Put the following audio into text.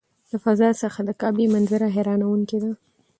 د فضا څخه د کعبې منظره حیرانوونکې ده.